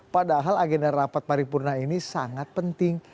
padahal agenda rapat paripurna ini sangat penting